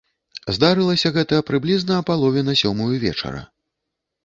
Здарылася гэта прыблізна а палове на сёмую вечара.